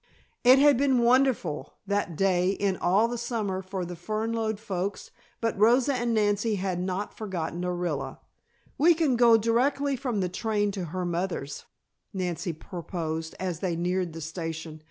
It had been wonderful, that day in all the summer for the Fernlode folks, but Rosa and Nancy had not forgotten Orilla. "We can go directly from the train to her mother's," Nancy proposed, as they neared the station.